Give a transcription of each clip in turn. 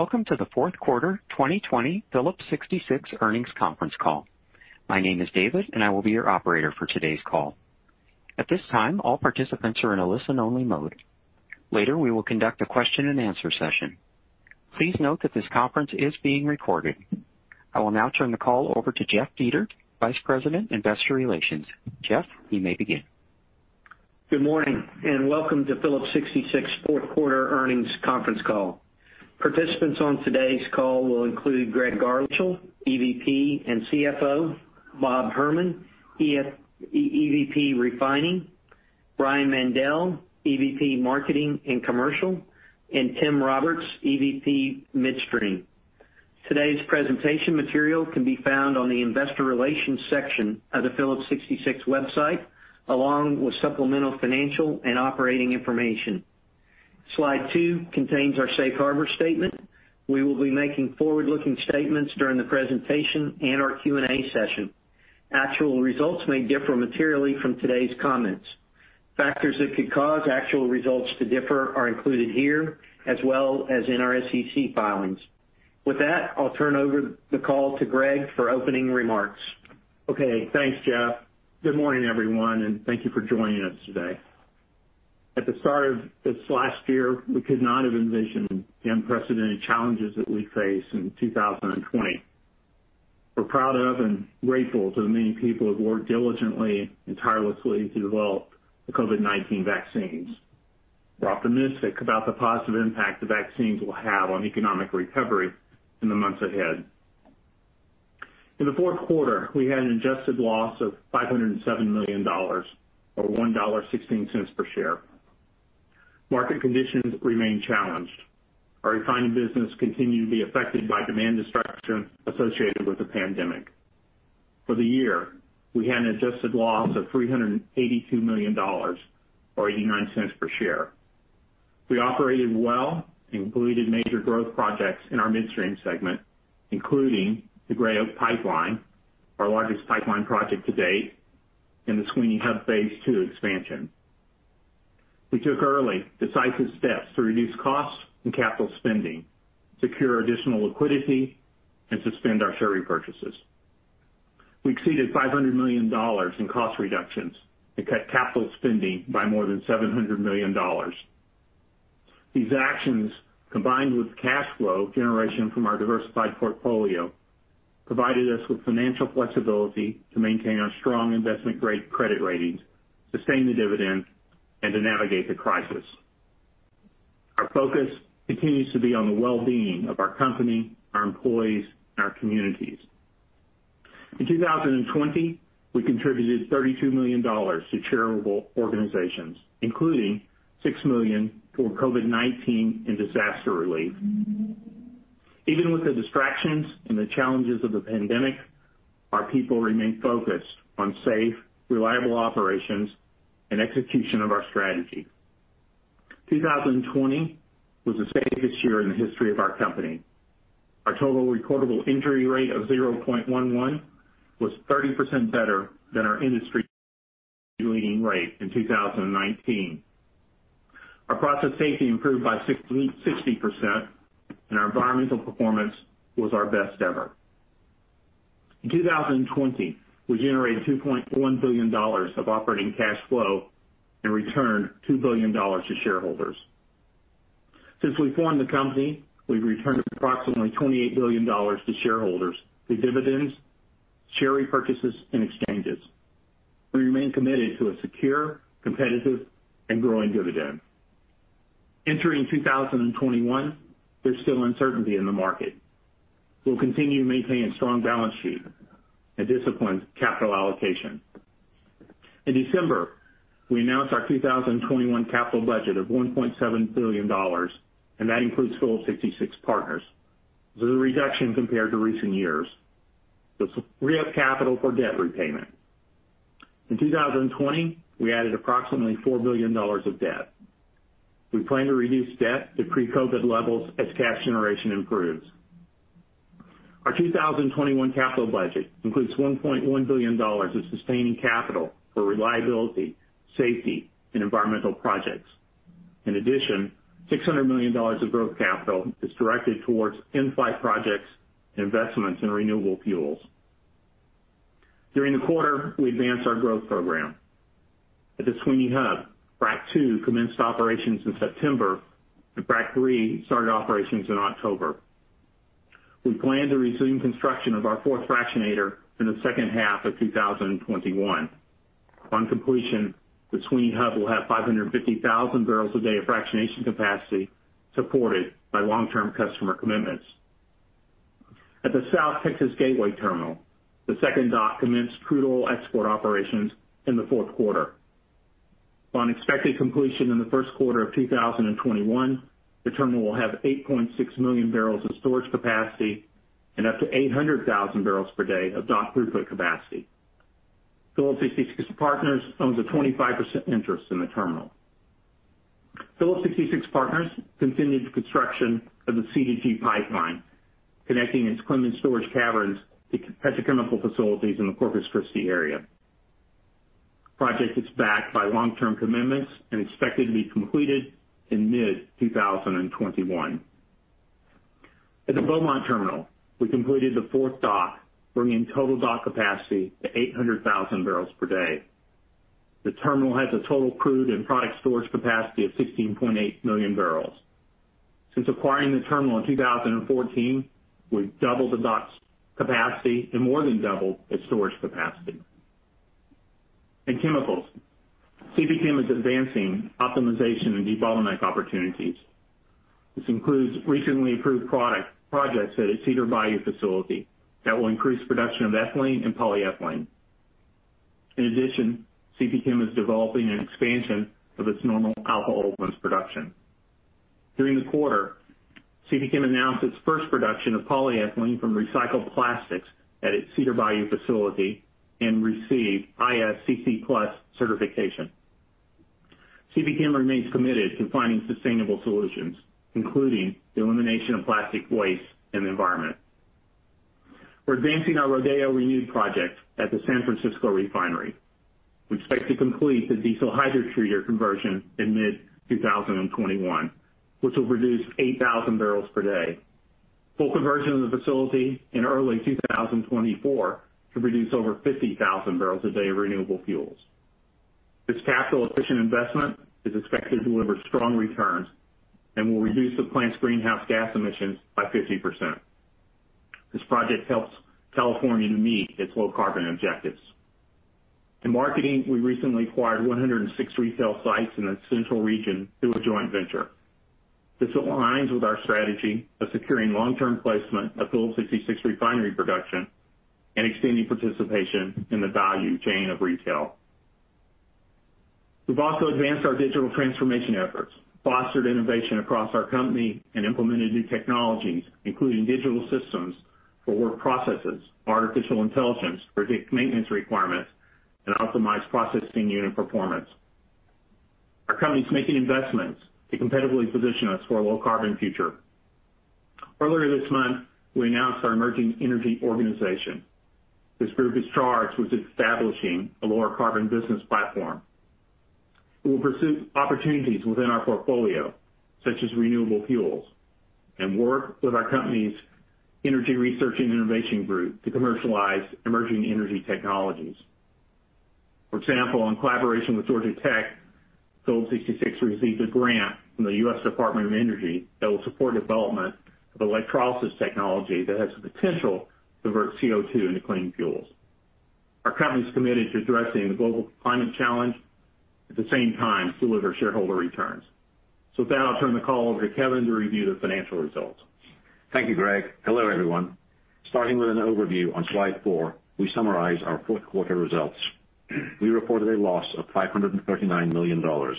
Welcome to the fourth quarter 2020 Phillips 66 earnings conference call. My name is David and I will be your operator for today's call. At this time, all participants are in a listen-only mode. Later, we will conduct a question and answer session. Please note that this conference is being recorded. I will now turn the call over to Jeff Dietert, Vice President, Investor Relations. Jeff, you may begin. Good morning, and welcome to Phillips 66 fourth quarter earnings conference call. Participants on today's call will include Greg Garland, EVP and CFO, Bob Herman, EVP, Refining, Brian Mandell, EVP, Marketing and Commercial, and Tim Roberts, EVP, Midstream. Today's presentation material can be found on the investor relations section of the Phillips 66 website, along with supplemental financial and operating information. Slide two contains our safe harbor statement. We will be making forward-looking statements during the presentation and our Q&A session. Actual results may differ materially from today's comments. Factors that could cause actual results to differ are included here, as well as in our SEC filings. With that, I'll turn over the call to Greg for opening remarks. Okay. Thanks, Jeff. Good morning, everyone, thank you for joining us today. At the start of this last year, we could not have envisioned the unprecedented challenges that we'd face in 2020. We're proud of and grateful to the many people who have worked diligently and tirelessly to develop the COVID-19 vaccines. We're optimistic about the positive impact the vaccines will have on economic recovery in the months ahead. In the fourth quarter, we had an adjusted loss of $507 million or $1.16 per share. Market conditions remain challenged. Our refining business continued to be affected by demand destruction associated with the pandemic. For the year, we had an adjusted loss of $382 million or $0.89 per share. We operated well and completed major growth projects in our midstream segment, including the Gray Oak Pipeline, our largest pipeline project to date, and the Sweeny Hub Phase II expansion. We took early decisive steps to reduce costs and capital spending, secure additional liquidity and suspend our share repurchases. We exceeded $500 million in cost reductions and cut capital spending by more than $700 million. These actions, combined with cash flow generation from our diversified portfolio, provided us with financial flexibility to maintain our strong investment-grade credit ratings, sustain the dividend, and to navigate the crisis. Our focus continues to be on the well-being of our company, our employees, and our communities. In 2020, we contributed $32 million to charitable organizations, including $6 million toward COVID-19 and disaster relief. Even with the distractions and the challenges of the pandemic, our people remain focused on safe, reliable operations and execution of our strategy. 2020 was the safest year in the history of our company. Our total recordable injury rate of 0.11 was 30% better than our industry-leading rate in 2019. Our process safety improved by 60%, and our environmental performance was our best ever. In 2020, we generated $2.1 billion of operating cash flow and returned $2 billion to shareholders. Since we formed the company, we've returned approximately $28 billion to shareholders through dividends, share repurchases, and exchanges. We remain committed to a secure, competitive and growing dividend. Entering 2021, there's still uncertainty in the market. We'll continue maintaining a strong balance sheet and disciplined capital allocation. In December, we announced our 2021 capital budget of $1.7 billion, and that includes Phillips 66 Partners. This is a reduction compared to recent years. This will free up capital for debt repayment. In 2020, we added approximately $4 billion of debt. We plan to reduce debt to pre-COVID levels as cash generation improves. Our 2021 capital budget includes $1.1 billion in sustaining capital for reliability, safety, and environmental projects. In addition, $600 million of growth capital is directed towards in-flight projects and investments in renewable fuels. During the quarter, we advanced our growth program. At the Sweeny Hub, Frac II commenced operations in September, and Frac III started operations in October. We plan to resume construction of our fourth fractionator in the second half of 2021. On completion, the Sweeny Hub will have 550,000 bbl a day of fractionation capacity supported by long-term customer commitments. At the South Texas Gateway Terminal, the second dock commenced crude oil export operations in the fourth quarter. On expected completion in the first quarter of 2021, the terminal will have 8.6 million bbl of storage capacity and up to 800,000 bbl per day of dock throughput capacity. Phillips 66 Partners owns a 25% interest in the terminal. Phillips 66 Partners continued the construction of the C2G Pipeline connecting its Clemens storage caverns to petrochemical facilities in the Corpus Christi area. Project is backed by long-term commitments and expected to be completed in mid-2021. At the Beaumont Terminal, we completed the fourth dock, bringing total dock capacity to 800,000 bbl per day. The terminal has a total crude and product storage capacity of 16.8 million bbl. Since acquiring the terminal in 2014, we've doubled the dock's capacity and more than doubled its storage capacity. In chemicals, CPChem is advancing optimization and debottleneck opportunities. This includes recently approved projects at its Cedar Bayou facility that will increase production of ethylene and polyethylene. In addition, CPChem is developing an expansion of its normal alpha olefins production. During the quarter, CPChem announced its first production of polyethylene from recycled plastics at its Cedar Bayou facility and received ISCC PLUS certification. CPChem remains committed to finding sustainable solutions, including the elimination of plastic waste in the environment. We're advancing our Rodeo Renewed project at the San Francisco Refinery. We expect to complete the diesel hydrotreater conversion in mid-2021, which will reduce 8,000 bbl per day. Full conversion of the facility in early 2024 should reduce over 50,000 bbl a day of renewable fuels. This capital-efficient investment is expected to deliver strong returns and will reduce the plant's greenhouse gas emissions by 50%. This project helps California to meet its low carbon objectives. In marketing, we recently acquired 106 retail sites in the central region through a joint venture. This aligns with our strategy of securing long-term placement of Phillips 66 refinery production and extending participation in the value chain of retail. We've also advanced our digital transformation efforts, fostered innovation across our company, and implemented new technologies, including digital systems for work processes, artificial intelligence, predict maintenance requirements, and optimize processing unit performance. Our company's making investments to competitively position us for a low-carbon future. Earlier this month, we announced our Emerging Energy Organization. This group is charged with establishing a lower carbon business platform. It will pursue opportunities within our portfolio, such as renewable fuels, and work with our company's energy research and innovation group to commercialize emerging energy technologies. For example, in collaboration with Georgia Tech, Phillips 66 received a grant from the U.S. Department of Energy that will support development of electrolysis technology that has the potential to convert CO2 into clean fuels. Our company is committed to addressing the global climate challenge, at the same time, deliver shareholder returns. With that, I'll turn the call over to Kevin to review the financial results. Thank you, Greg. Hello, everyone. Starting with an overview on slide four, we summarize our fourth quarter results. We reported a loss of $539 million.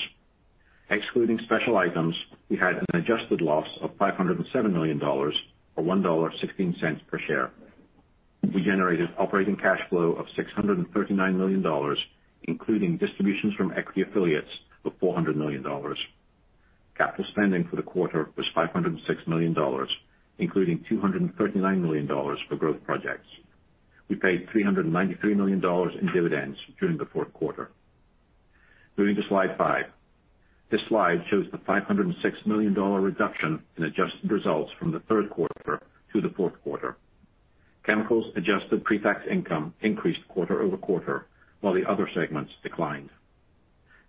Excluding special items, we had an adjusted loss of $507 million, or $1.16 per share. We generated operating cash flow of $639 million, including distributions from equity affiliates of $400 million. Capital spending for the quarter was $506 million, including $239 million for growth projects. We paid $393 million in dividends during the fourth quarter. Moving to slide five. This slide shows the $506 million reduction in adjusted results from the third quarter to the fourth quarter. Chemicals adjusted pre-tax income increased quarter over quarter, while the other segments declined.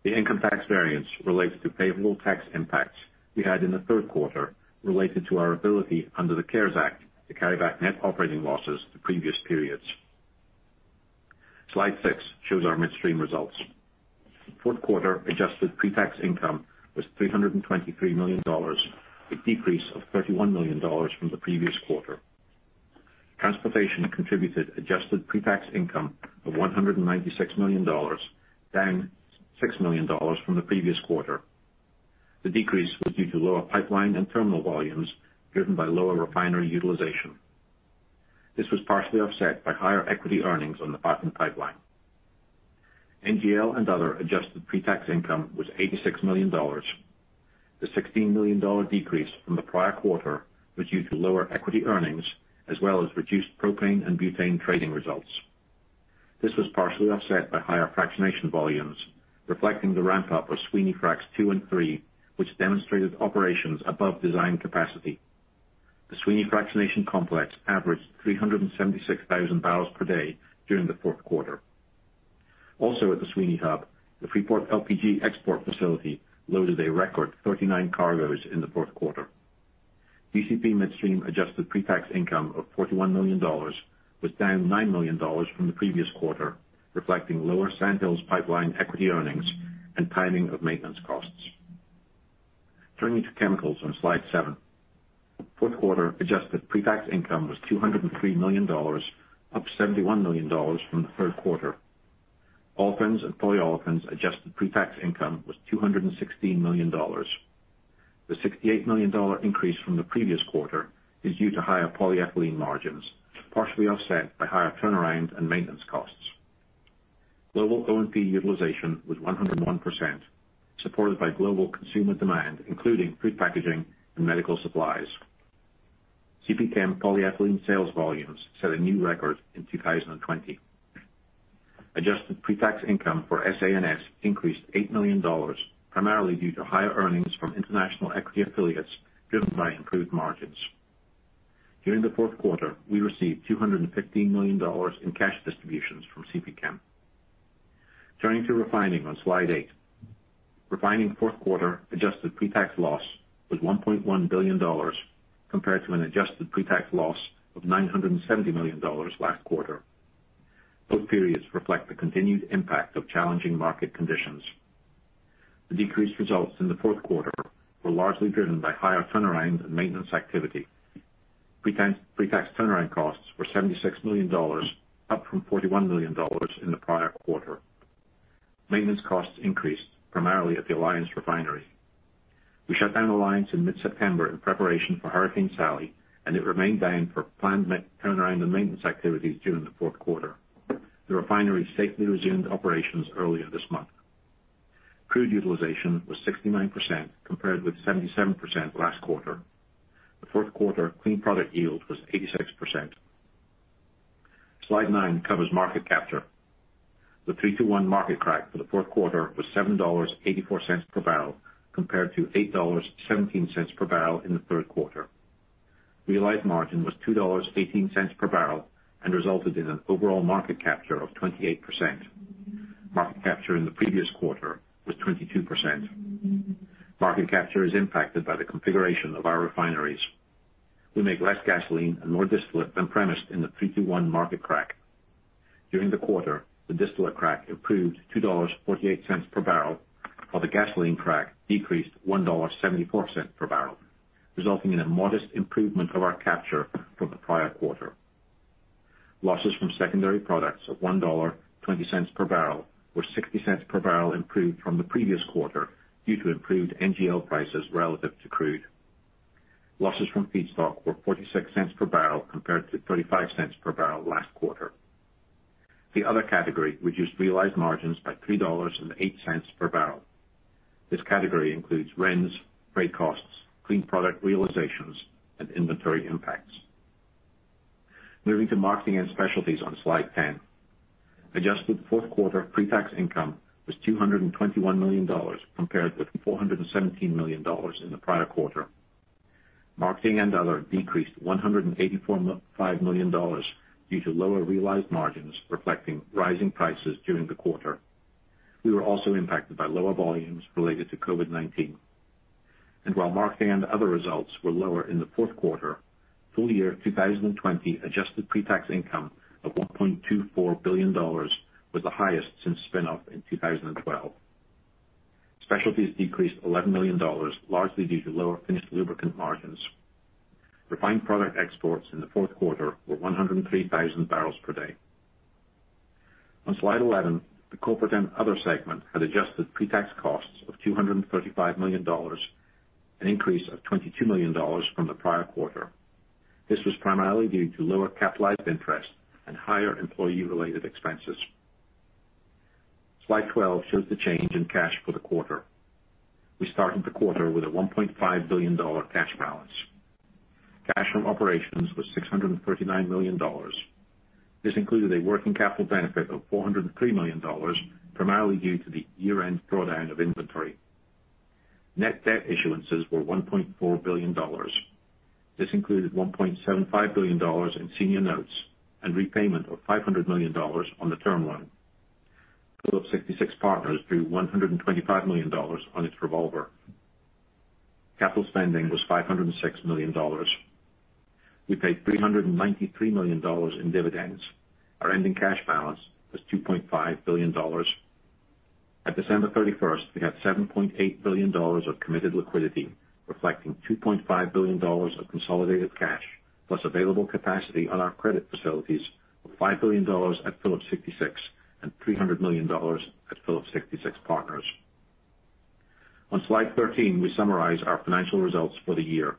The income tax variance relates to favorable tax impacts we had in the third quarter related to our ability under the CARES Act to carry back net operating losses to previous periods. Slide six shows our midstream results. Fourth quarter adjusted pre-tax income was $323 million, a decrease of $31 million from the previous quarter. Transportation contributed adjusted pre-tax income of $196 million, down $6 million from the previous quarter. The decrease was due to lower pipeline and terminal volumes driven by lower refinery utilization. This was partially offset by higher equity earnings on the Partner Pipeline. NGL and other adjusted pre-tax income was $86 million. The $16 million decrease from the prior quarter was due to lower equity earnings as well as reduced propane and butane trading results. This was partially offset by higher fractionation volumes, reflecting the ramp-up of Sweeny Frac II and III, which demonstrated operations above design capacity. The Sweeny Fractionation complex averaged 376,000 bbl per day during the fourth quarter. Also at the Sweeny Hub, the Freeport LPG export facility loaded a record 39 cargoes in the fourth quarter. DCP Midstream adjusted pre-tax income of $41 million was down $9 million from the previous quarter, reflecting lower Sand Hills pipeline equity earnings and timing of maintenance costs. Turning to chemicals on slide seven. Fourth quarter adjusted pre-tax income was $203 million, up $71 million from the third quarter. Olefins and Polyolefins adjusted pre-tax income was $216 million. The $68 million increase from the previous quarter is due to higher polyethylene margins, partially offset by higher turnaround and maintenance costs. Global O&P utilization was 101%, supported by global consumer demand, including food packaging and medical supplies. CPChem polyethylene sales volumes set a new record in 2020. Adjusted pre-tax income for SA&S increased $8 million, primarily due to higher earnings from international equity affiliates driven by improved margins. During the fourth quarter, we received $250 million in cash distributions from CPChem. Turning to refining on Slide eight. Refining fourth quarter adjusted pre-tax loss was $1.1 billion, compared to an adjusted pre-tax loss of $970 million last quarter. Both periods reflect the continued impact of challenging market conditions. The decreased results in the fourth quarter were largely driven by higher turnaround and maintenance activity. Pre-tax turnaround costs were $76 million, up from $41 million in the prior quarter. Maintenance costs increased primarily at the Alliance refinery. We shut down Alliance in mid-September in preparation for Hurricane Sally, and it remained down for planned turnaround and maintenance activities during the fourth quarter. The refinery safely resumed operations earlier this month. Crude utilization was 69% compared with 77% last quarter. The fourth quarter clean product yield was 86%. Slide nine covers market capture. The 3-2-1 market crack for the fourth quarter was $7.84 per bbl, compared to $8.17 per bbl in the third quarter. Realized margin was $2.18 per bbl and resulted in an overall market capture of 28%. Market capture in the previous quarter was 22%. Market capture is impacted by the configuration of our refineries. We make less gasoline and more distillate than premised in the 3-2-1 market crack. During the quarter, the distillate crack improved $2.48 per bbl, while the gasoline crack decreased $1.74 per bbl, resulting in a modest improvement of our capture from the prior quarter. Losses from secondary products of $1.20 per bbl were $0.60 per bbl improved from the previous quarter due to improved NGL prices relative to crude. Losses from feedstock were $0.46 per bbl compared to $0.35 per bbl last quarter. The other category reduced realized margins by $3.08 per bbl. This category includes rents, freight costs, clean product realizations, and inventory impacts. Moving to marketing and specialties on Slide 10. Adjusted fourth quarter pre-tax income was $221 million, compared with $417 million in the prior quarter. Marketing and other decreased $185 million due to lower realized margins reflecting rising prices during the quarter. We were also impacted by lower volumes related to COVID-19. While marketing and other results were lower in the fourth quarter, full year 2020 adjusted pre-tax income of $1.24 billion was the highest since spinup in 2012. Specialties decreased $11 million, largely due to lower finished lubricant margins. Refined product exports in the fourth quarter were 103,000 bbl per day. On Slide 11, the corporate and other segment had adjusted pre-tax costs of $235 million, an increase of $22 million from the prior quarter. This was primarily due to lower capitalized interest and higher employee related expenses. Slide 12 shows the change in cash for the quarter. We started the quarter with a $1.5 billion cash balance. Cash from operations was $639 million. This included a working capital benefit of $403 million, primarily due to the year-end drawdown of inventory. Net debt issuances were $1.4 billion. This included $1.75 billion in senior notes and repayment of $500 million on the term loan. Phillips 66 Partners drew $125 million on its revolver. Capital spending was $506 million. We paid $393 million in dividends. Our ending cash balance was $2.5 billion. At December 31st, we had $7.8 billion of committed liquidity, reflecting $2.5 billion of consolidated cash, plus available capacity on our credit facilities of $5 billion at Phillips 66 and $300 million at Phillips 66 Partners. On Slide 13, we summarize our financial results for the year.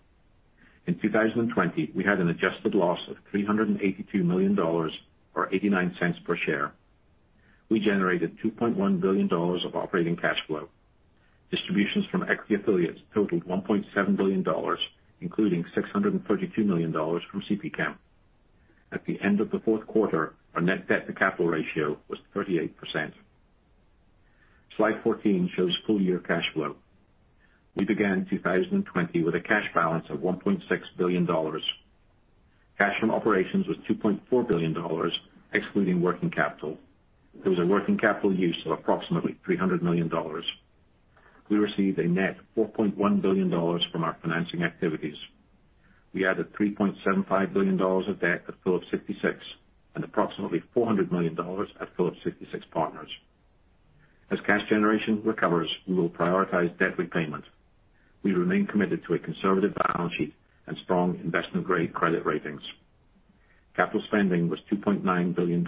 In 2020, we had an adjusted loss of $382 million or $0.89 per share. We generated $2.1 billion of operating cash flow. Distributions from equity affiliates totaled $1.7 billion, including $632 million from CPChem. At the end of the fourth quarter, our net debt to capital ratio was 38%. Slide 14 shows full year cash flow. We began 2020 with a cash balance of $1.6 billion. Cash from operations was $2.4 billion excluding working capital. There was a working capital use of approximately $300 million. We received a net $4.1 billion from our financing activities. We added $3.75 billion of debt at Phillips 66, and approximately $400 million at Phillips 66 Partners. As cash generation recovers, we will prioritize debt repayment. We remain committed to a conservative balance sheet and strong investment-grade credit ratings. Capital spending was $2.9 billion.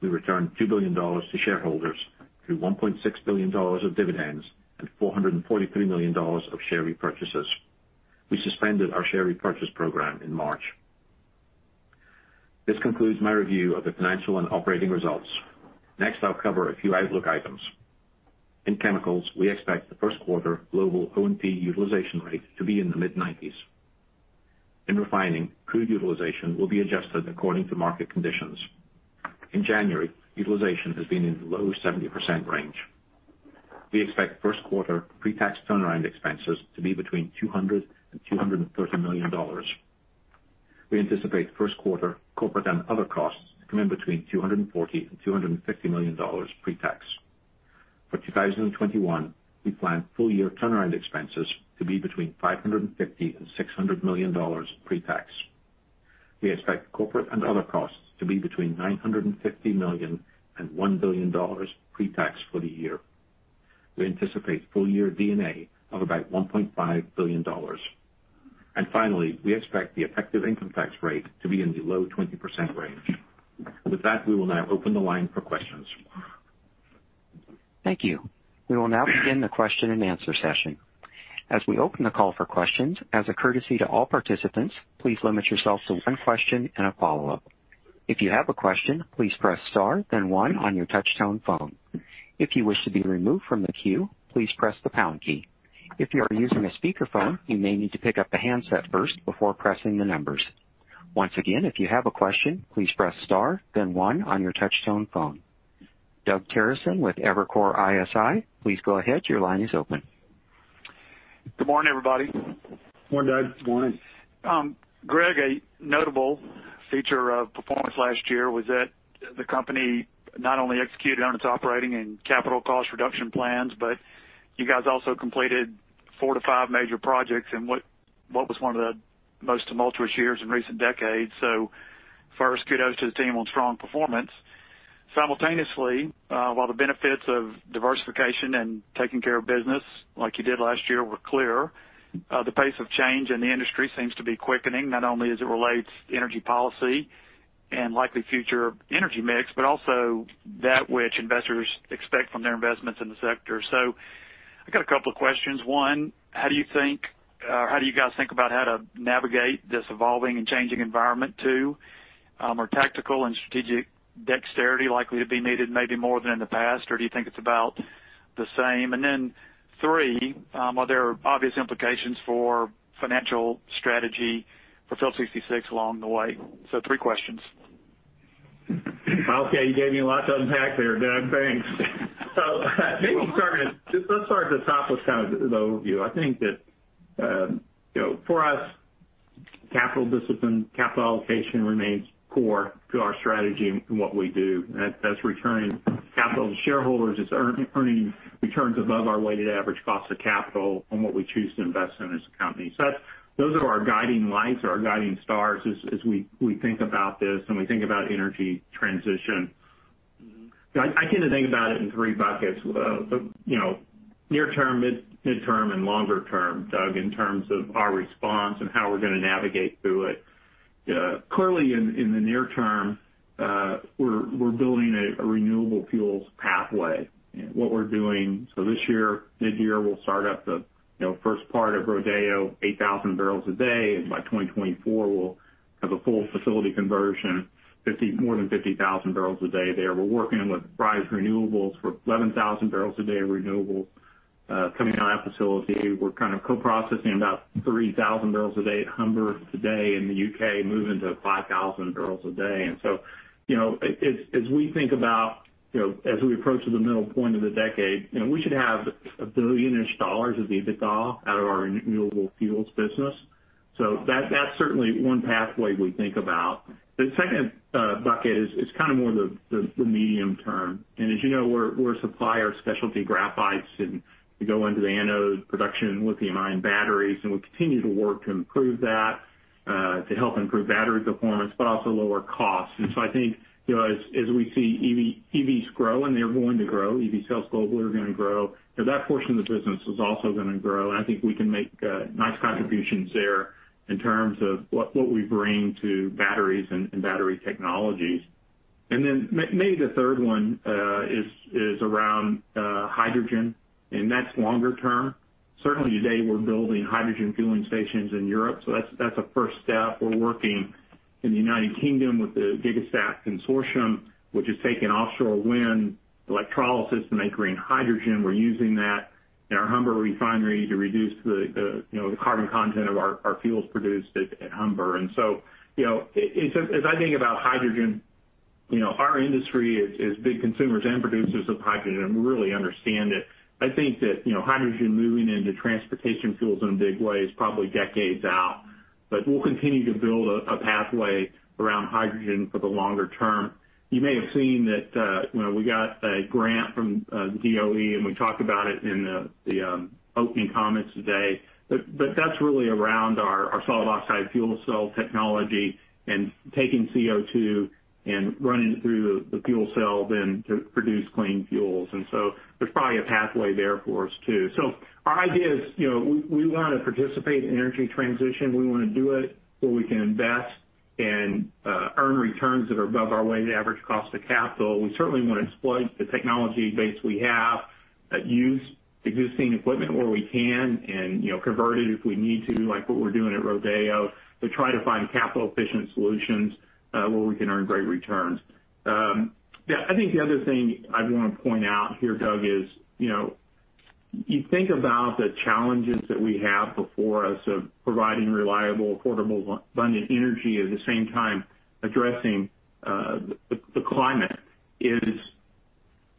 We returned $2 billion to shareholders through $1.6 billion of dividends and $443 million of share repurchases. We suspended our share repurchase program in March. This concludes my review of the financial and operating results. Next, I'll cover a few outlook items. In chemicals, we expect the first quarter global O&P utilization rate to be in the mid-90s. In refining, crude utilization will be adjusted according to market conditions. In January, utilization has been in the low 70% range. We expect first quarter pre-tax turnaround expenses to be between $200 million and $230 million. We anticipate first quarter corporate and other costs to come in between $240 million and $250 million pre-tax. For 2021, we plan full-year turnaround expenses to be between $550 million and $600 million pre-tax. We expect corporate and other costs to be between $950 million and $1 billion pre-tax for the year. We anticipate full-year D&A of about $1.5 billion. Finally, we expect the effective income tax rate to be in the low 20% range. With that, we will now open the line for questions. Thank you. We will now begin the question-and-answer session. As we open the call for questions, as a courtesy to all participants, please limit yourself to one question and a follow-up. If you have a question, please press star then one on your touch tone phone. If you wish to be removed from the queue, please press the pound key. If you are using a speakerphone, you may need to pick up the handset first before pressing the numbers. Once again, if you have a question, please press star then one on your touch tone phone. Doug Terreson with Evercore ISI, please go ahead. Your line is open. Good morning, everybody. Morning, Doug. Morning. Greg, a notable feature of performance last year was that the company not only executed on its operating and capital cost reduction plans, but you guys also completed four to five major projects in what was one of the most tumultuous years in recent decades. First, kudos to the team on strong performance. Simultaneously, while the benefits of diversification and taking care of business like you did last year were clear, the pace of change in the industry seems to be quickening, not only as it relates to energy policy and likely future energy mix, but also that which investors expect from their investments in the sector. I got a couple of questions. One, how do you guys think about how to navigate this evolving and changing environment? Two are tactical and strategic dexterity likely to be needed, maybe more than in the past, or do you think it's about the same? Three, are there obvious implications for financial strategy for Phillips 66 along the way? Three questions. Okay. You gave me a lot to unpack there, Doug. Thanks. Maybe we'll start at the top with kind of the overview. I think that for us, capital discipline, capital allocation remains core to our strategy and what we do. That's returning capital to shareholders. It's earning returns above our weighted average cost of capital on what we choose to invest in as a company. Those are our guiding lights or our guiding stars as we think about this and we think about energy transition. I tend to think about it in 3 buckets of near-term, mid-term, and longer-term, Doug, in terms of our response and how we're going to navigate through it. Clearly in the near term, we're building a renewable fuels pathway. What we're doing, so this year, mid-year, we'll start up the first part of Rodeo Renewed, 8,000 bbl a day. By 2024, we'll have a full facility conversion, more than 50,000 bbl a day there. We're working with Bryce Renewables for 11,000 bbl a day renewable coming out of that facility. We're kind of co-processing about 3,000 bbl a day at Humber today in the U.K., moving to 5,000 bbl a day. As we approach the middle point of the decade, we should have a billion-ish dollars of EBITDA out of our renewable fuels business. That's certainly one pathway we think about. The second bucket is kind of more the medium term. As you know, we're a supplier of specialty graphites, and we go into the anode production in lithium-ion batteries, and we continue to work to improve that to help improve battery performance, but also lower costs. I think as we see EVs grow, and they're going to grow, EV sales globally are going to grow, that portion of the business is also going to grow. I think we can make nice contributions there in terms of what we bring to batteries and battery technologies. Then maybe the third one is around hydrogen, and that's longer term. Certainly today we're building hydrogen fueling stations in Europe, so that's a first step. We're working in the United Kingdom with the Gigastack consortium, which is taking offshore wind electrolysis to make green hydrogen. We're using that in our Humber Refinery to reduce the carbon content of our fuels produced at Humber. As I think about hydrogen, our industry is big consumers and producers of hydrogen, and we really understand it. I think that hydrogen moving into transportation fuels in a big way is probably decades out. We'll continue to build a pathway around hydrogen for the longer term. You may have seen that we got a grant from the DOE, and we talked about it in the opening comments today. That's really around our solid oxide fuel cell technology and taking CO2 and running it through the fuel cell then to produce clean fuels. There's probably a pathway there for us, too. Our idea is we want to participate in energy transition. We want to do it where we can invest and earn returns that are above our weighted average cost of capital. We certainly want to exploit the technology base we have, use existing equipment where we can, and convert it if we need to, like what we're doing at Rodeo, to try to find capital-efficient solutions where we can earn great returns. I think the other thing I'd want to point out here, Doug, is you think about the challenges that we have before us of providing reliable, affordable, abundant energy, at the same time addressing the climate, is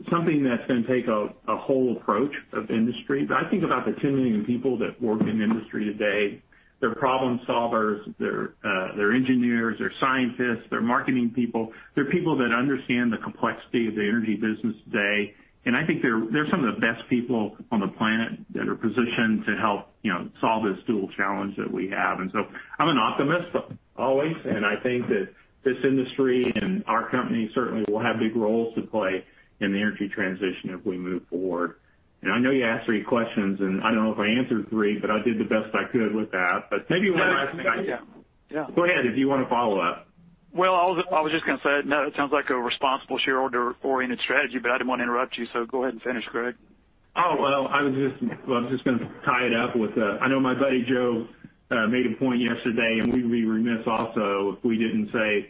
something that's going to take a whole approach of industry. I think about the two million people that work in the industry today. They're problem-solvers, they're engineers, they're scientists, they're marketing people. They're people that understand the complexity of the energy business today. I think they're some of the best people on the planet that are positioned to help solve this dual challenge that we have. I'm an optimist always, and I think that this industry and our company certainly will have big roles to play in the energy transition as we move forward. I know you asked three questions, and I don't know if I answered three, but I did the best I could with that. Maybe one last thing. Yeah. Go ahead, if you want to follow up. Well, I was just going to say, no, it sounds like a responsible shareholder-oriented strategy, but I didn't want to interrupt you, so go ahead and finish, Greg. Oh, well, I know my buddy Joe made a point yesterday, and we'd be remiss also if we didn't say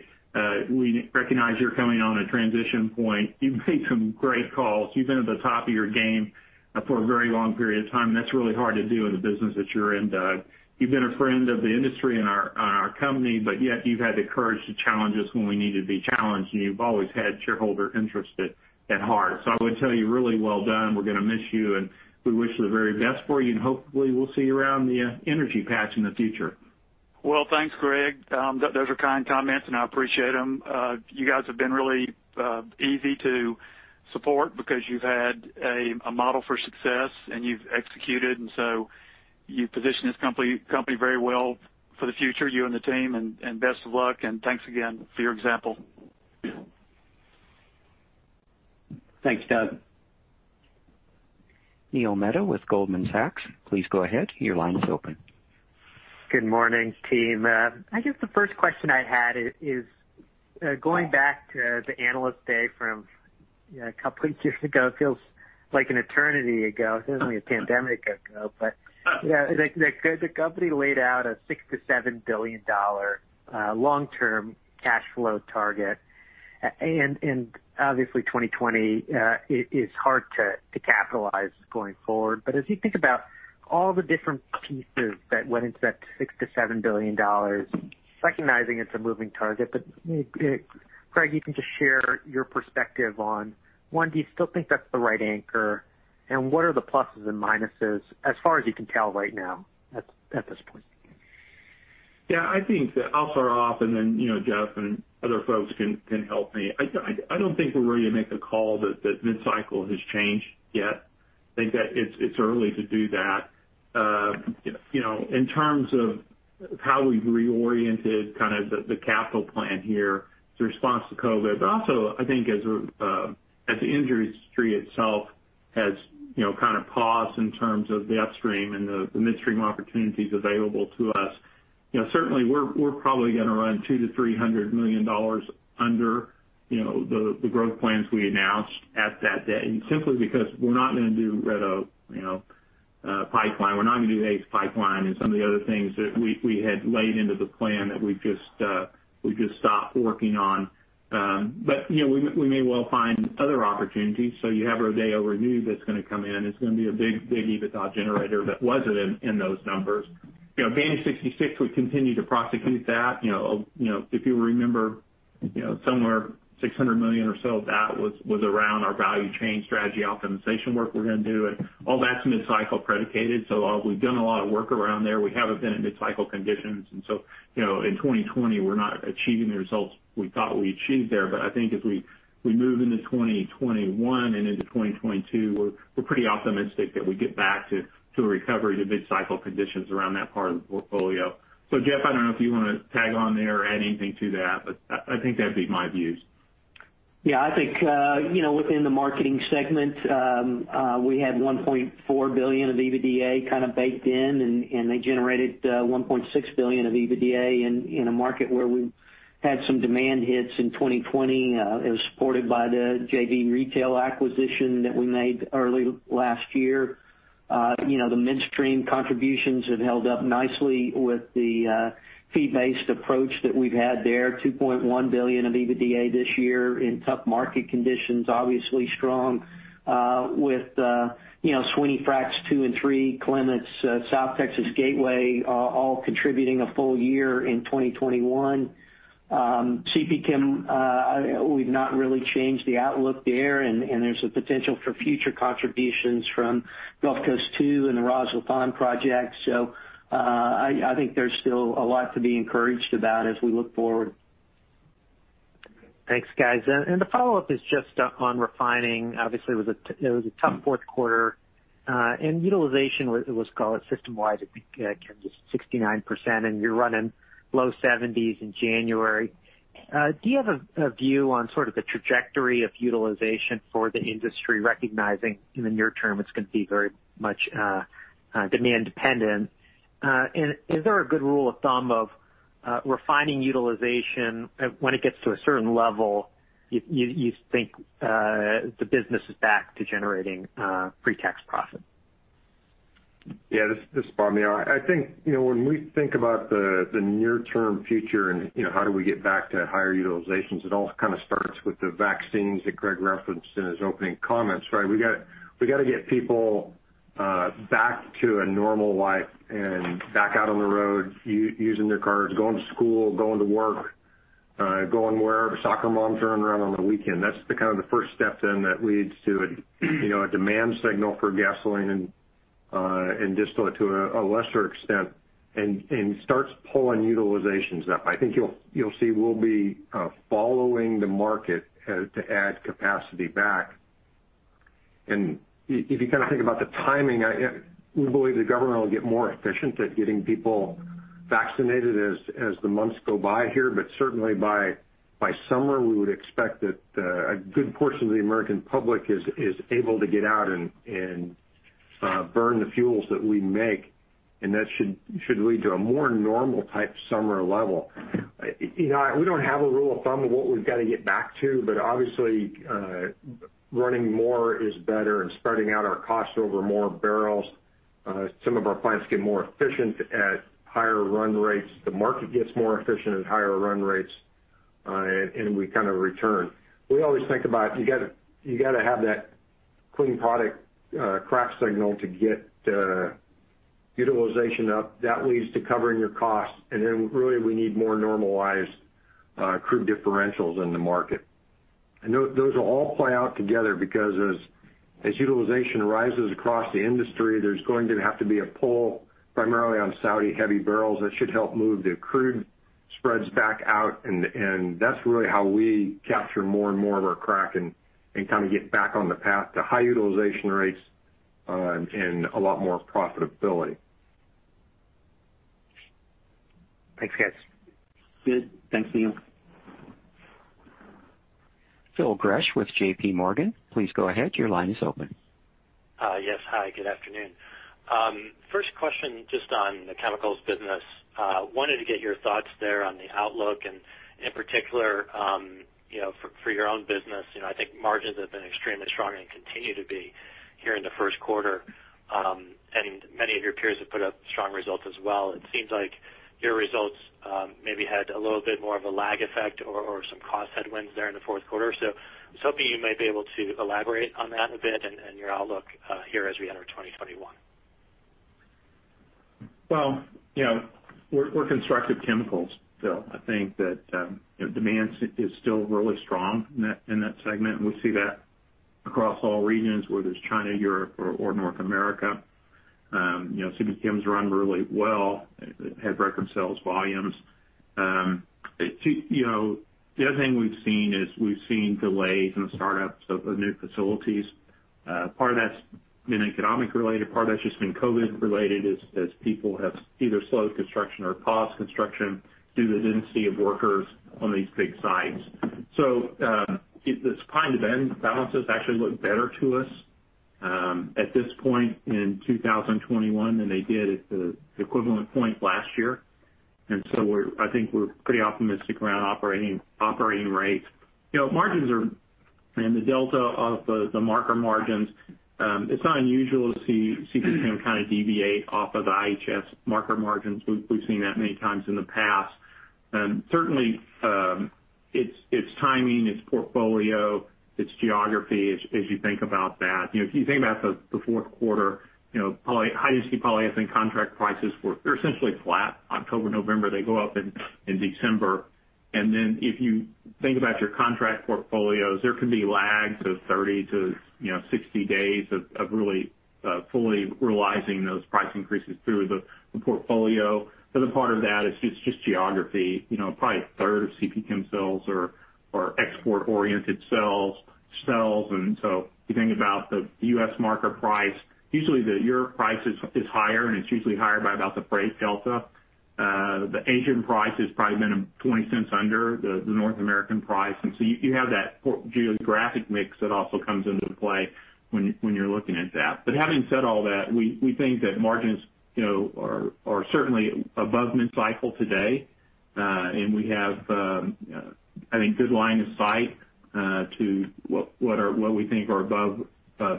we recognize you're coming on a transition point. You've made some great calls. You've been at the top of your game for a very long period of time, and that's really hard to do in the business that you're in, Doug. You've been a friend of the industry and our company, but yet you've had the courage to challenge us when we need to be challenged, and you've always had shareholder interest at heart. I would tell you, really well done. We're going to miss you, and we wish you the very best for you, and hopefully, we'll see you around the energy patch in the future. Well, thanks, Greg. Those are kind comments, and I appreciate them. You guys have been really easy to support because you've had a model for success, and you've executed, and so you've positioned this company very well for the future, you and the team, and best of luck, and thanks again for your example. Thanks, Doug. Neil Mehta with Goldman Sachs, please go ahead. Your line is open. Good morning, team. I guess the first question I had is going back to the Analyst Day from a couple of years ago. It feels like an eternity ago. It feels like a pandemic ago. The company laid out a $6 billion-$7 billion long-term cash flow target. Obviously 2020 is hard to capitalize going forward. As you think about all the different pieces that went into that $6 billion-$7 billion, recognizing it's a moving target, Greg, you can just share your perspective on, one, do you still think that's the right anchor? What are the pluses and minuses as far as you can tell right now at this point? I think I'll start off, and then Jeff and other folks can help me. I don't think we're ready to make a call that mid-cycle has changed yet. I think that it's early to do that. In terms of how we've reoriented kind of the capital plan here as a response to COVID, but also I think as the industry itself has kind of paused in terms of the upstream and the midstream opportunities available to us. Certainly, we're probably going to run $200 million-$300 million under the growth plans we announced at that day, simply because we're not going to do Red Oak Pipeline, we're not going to do ACE Pipeline and some of the other things that we had laid into the plan that we've just stopped working on. We may well find other opportunities. You have Rodeo Renewed that's going to come in. It's going to be a big EBITDA generator that wasn't in those numbers. Banshee 66, we continue to prosecute that. If you remember, somewhere $600 million or so of that was around our value chain strategy optimization work we're going to do. All that's mid-cycle predicated. While we've done a lot of work around there, we haven't been in mid-cycle conditions. In 2020, we're not achieving the results we thought we'd achieve there. I think as we move into 2021 and into 2022, we're pretty optimistic that we get back to a recovery to mid-cycle conditions around that part of the portfolio. Jeff, I don't know if you want to tag on there or add anything to that, but I think that'd be my views. I think within the marketing segment, we had $1.4 billion of EBITDA kind of baked in. They generated $1.6 billion of EBITDA in a market where we had some demand hits in 2020. It was supported by the JV retail acquisition that we made early last year. The Midstream contributions have held up nicely with the fee-based approach that we've had there. $2.1 billion of EBITDA this year in tough market conditions. Obviously strong with Sweeny Fracs II and III, Clemens, South Texas Gateway, all contributing a full year in 2021. CPChem, we've not really changed the outlook there. There's a potential for future contributions from Gulf Coast II and the Ras Laffan project. I think there's still a lot to be encouraged about as we look forward. Thanks, guys. The follow-up is just on refining. Obviously, it was a tough fourth quarter. Utilization was, call it system-wide, I think just 69%, and you're running low 70s in January. Do you have a view on sort of the trajectory of utilization for the industry, recognizing in the near term, it's going to be very much demand-dependent? Is there a good rule of thumb of refining utilization when it gets to a certain level, you think the business is back to generating pre-tax profit? Yeah, this is Bob. When we think about the near-term future and how do we get back to higher utilizations, it all kind of starts with the vaccines that Greg referenced in his opening comments, right? We got to get people back to a normal life and back out on the road, using their cars, going to school, going to work, going wherever soccer moms run around on the weekend. That's the kind of the first step that leads to a demand signal for gasoline and distillate to a lesser extent and starts pulling utilizations up. I think you'll see we'll be following the market to add capacity back. If you kind of think about the timing, we believe the government will get more efficient at getting people vaccinated as the months go by here. Certainly by summer, we would expect that a good portion of the American public is able to get out and burn the fuels that we make, and that should lead to a more normal type summer level. We don't have a rule of thumb of what we've got to get back to, but obviously, running more is better and spreading out our costs over more barrels. Some of our plants get more efficient at higher run rates. The market gets more efficient at higher run rates. We kind of return. We always think about, you got to have that clean product crack signal to get utilization up. That leads to covering your costs. Then really, we need more normalized crude differentials in the market. Those will all play out together because as utilization rises across the industry, there's going to have to be a pull primarily on Saudi heavy barrels. That should help move the crude spreads back out. That's really how we capture more and more of our crack and kind of get back on the path to high utilization rates and a lot more profitability. Thanks, guys. Good. Thanks, Neil. Phil Gresh with JPMorgan. Please go ahead. Your line is open. Yes. Hi, good afternoon. First question just on the chemicals business. I wanted to get your thoughts there on the outlook and in particular, for your own business. I think margins have been extremely strong and continue to be here in the first quarter. Many of your peers have put up strong results as well. It seems like your results maybe had a little bit more of a lag effect or some cost headwinds there in the fourth quarter. I was hoping you might be able to elaborate on that a bit and your outlook here as we enter 2021. Well, we're constructive chemicals, Phil. I think that demand is still really strong in that segment, and we see that across all regions, whether it's China, Europe or North America. CPChem's run really well, had record sales volumes. The other thing we've seen is we've seen delays in the startups of new facilities. Part of that's been economic-related, part of that's just been COVID-related, as people have either slowed construction or paused construction due to the density of workers on these big sites. Those kind of end balances actually look better to us at this point in 2021 than they did at the equivalent point last year. I think we're pretty optimistic around operating rates. Margins are in the delta of the marker margins. It's not unusual to see CPChem kind of deviate off of the IHS marker margins. We've seen that many times in the past. Certainly, it's timing, it's portfolio, it's geography as you think about that. If you think about the fourth quarter, highest CP polyethylene contract prices, they're essentially flat October, November. They go up in December. If you think about your contract portfolios, there can be lags of 30-60 days of really fully realizing those price increases through the portfolio. The other part of that is just geography. Probably a third of CPChem sales are export-oriented sales. You think about the U.S. market price, usually the Europe price is higher, and it's usually higher by about the freight delta. The Asian price has probably been $0.20 under the North American price. You have that geographic mix that also comes into play when you're looking at that. Having said all that, we think that margins are certainly above mid-cycle today. We have I think, good line of sight to what we think are above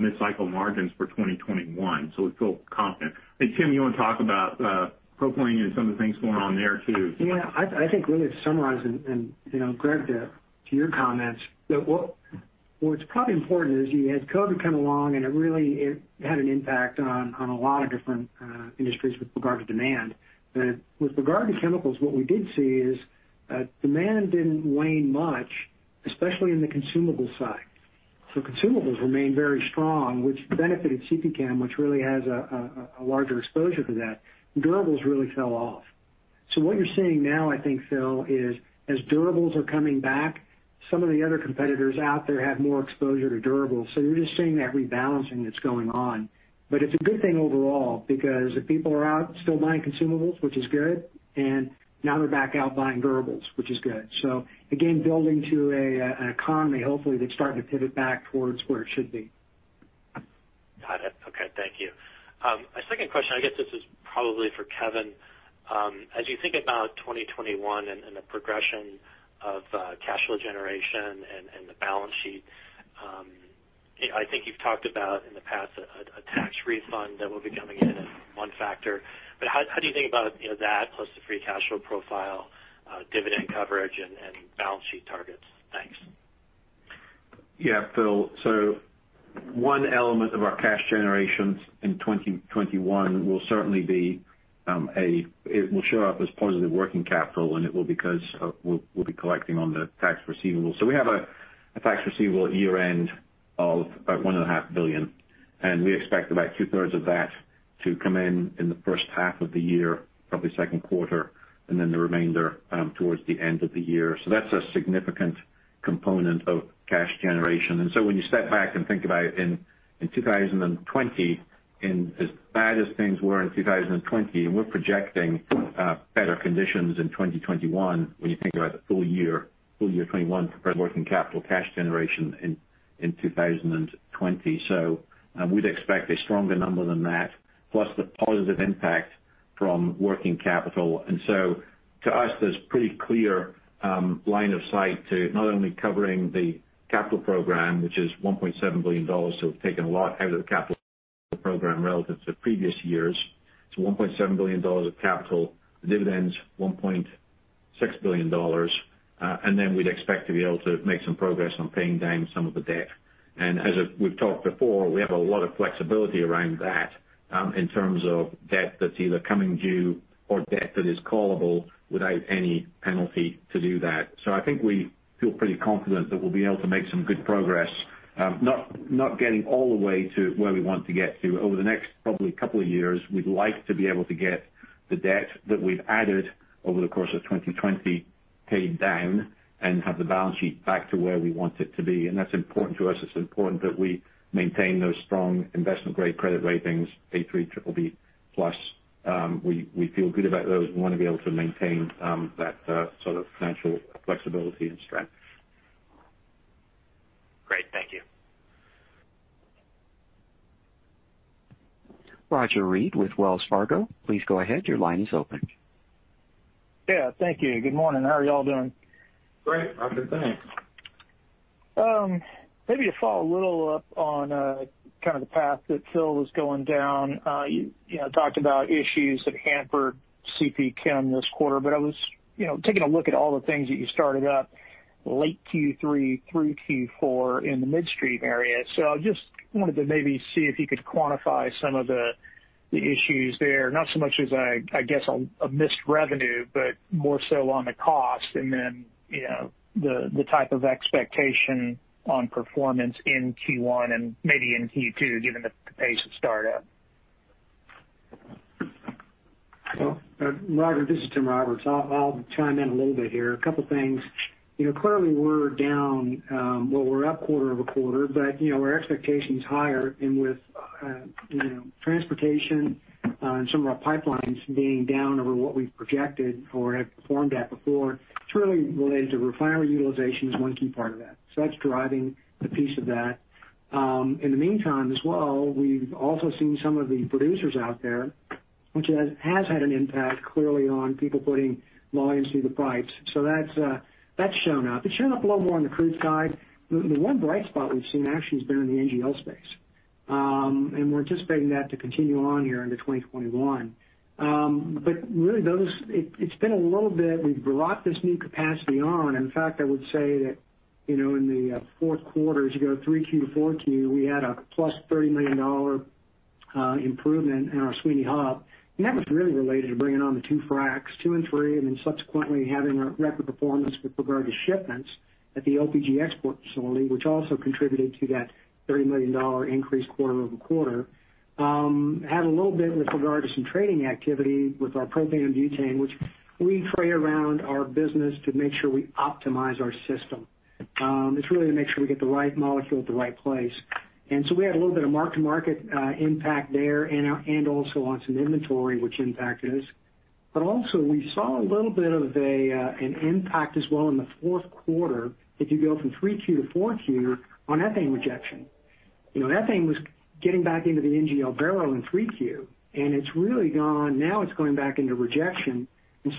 mid-cycle margins for 2021. We feel confident. Hey, Tim, you want to talk about propylene and some of the things going on there, too? Yeah. I think really to summarize and Greg, to your comments, that what's probably important is you had COVID come along. It really had an impact on a lot of different industries with regard to demand. With regard to chemicals, what we did see is demand didn't wane much, especially in the consumable side. Consumables remained very strong, which benefited CPChem, which really has a larger exposure to that. Durables really fell off. What you're seeing now, I think, Phil, is as durables are coming back. Some of the other competitors out there have more exposure to durables. You're just seeing that rebalancing that's going on. It's a good thing overall, because if people are out still buying consumables, which is good. Now they're back out buying durables, which is good. Again, building to an economy, hopefully, that's starting to pivot back towards where it should be. Got it. Okay. Thank you. My second question, I guess this is probably for Kevin. As you think about 2021 and the progression of cash flow generation and the balance sheet, I think you've talked about in the past a tax refund that will be coming in as one factor. How do you think about that plus the free cash flow profile, dividend coverage, and balance sheet targets? Thanks. Phil. One element of our cash generations in 2021 will certainly be, it will show up as positive working capital, and it will because we'll be collecting on the tax receivable. We have a tax receivable at year-end of about $1.5 billion, and we expect about two-thirds of that to come in in the first half of the year, probably second quarter, and then the remainder towards the end of the year. That's a significant component of cash generation. When you step back and think about it, in 2020, as bad as things were in 2020, we're projecting better conditions in 2021 when you think about the full year 2021 compared to working capital cash generation in 2020. We'd expect a stronger number than that, plus the positive impact from working capital. To us, there's pretty clear line of sight to not only covering the capital program, which is $1.7 billion, we've taken a lot out of the capital program relative to previous years. $1.7 billion of capital, dividends, $1.6 billion. We'd expect to be able to make some progress on paying down some of the debt. As we've talked before, we have a lot of flexibility around that in terms of debt that's either coming due or debt that is callable without any penalty to do that. I think we feel pretty confident that we'll be able to make some good progress. Not getting all the way to where we want to get to. Over the next probably couple of years, we'd like to be able to get the debt that we've added over the course of 2020 paid down and have the balance sheet back to where we want it to be. That's important to us. It's important that we maintain those strong investment-grade credit ratings, A3/BBB+. We feel good about those. We want to be able to maintain that sort of financial flexibility and strength. Great. Thank you. Roger Read with Wells Fargo. Yeah, thank you. Good morning. How are you all doing? Great. Not bad, thanks. Maybe to follow a little up on kind of the path that Phil was going down. You talked about issues that hampered CPChem this quarter. I was taking a look at all the things that you started up late Q3 through Q4 in the midstream area. I just wanted to maybe see if you could quantify some of the issues there. Not so much as, I guess, a missed revenue, but more so on the cost and then the type of expectation on performance in Q1 and maybe in Q2, given the pace of startup. Well, Roger, this is Tim Roberts. I'll chime in a little bit here. A couple of things. Clearly, we're down. Well, we're up quarter-over-quarter, but our expectation is higher. With transportation and some of our pipelines being down over what we've projected or have performed at before, it's really related to refinery utilization is one key part of that. That's driving the piece of that. In the meantime as well, we've also seen some of the producers out there, which has had an impact, clearly, on people putting volumes through the pipes. That's shown up. It's shown up a little more on the crude side. The one bright spot we've seen actually has been in the NGL space. We're anticipating that to continue on here into 2021. Really, we've brought this new capacity on. In fact, I would say that in the fourth quarter, as you go 3Q to 4Q, we had a +$30 million improvement in our Sweeny Hub. That was really related to bringing on the two fracs, II and III, and then subsequently having a record performance with regard to shipments at the LPG export facility, which also contributed to that $30 million increase quarter-over-quarter. Had a little bit with regard to some trading activity with our propane and butane, which we trade around our business to make sure we optimize our system. It's really to make sure we get the right molecule at the right place. We had a little bit of mark-to-market impact there and also on some inventory, which impacted us. Also we saw a little bit of an impact as well in the fourth quarter if you go from 3Q to 4Q on ethane rejection. Ethane was getting back into the NGL barrel in 3Q, and it's really gone. Now it's going back into rejection.